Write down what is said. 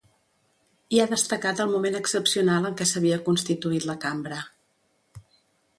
I ha destacat el moment excepcional en què s’havia constituït la cambra.